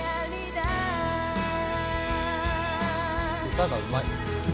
歌がうまい。